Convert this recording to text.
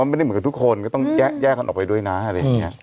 ไม่ได้เหมือนกับทุกคนก็ต้องแยกกันออกไปด้วยนะอะไรอย่างนี้